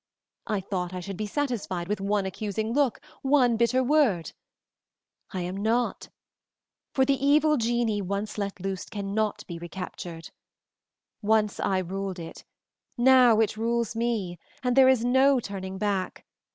I thought I should be satisfied with one accusing look, one bitter word; I am not, for the evil genii once let loose cannot be recaptured. Once I ruled it, now it rules me, and there is no turning back.